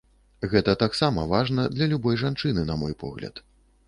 Гэта таксама важна для любой жанчыны, на мой погляд.